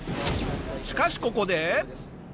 しかしここで。